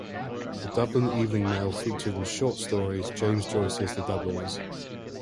The "Dublin Evening Mail" featured in short stories in James Joyce's "The Dubliners".